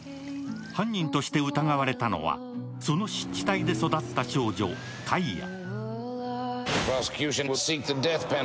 犯人として疑われたのはその湿地帯で育った少女・カイア。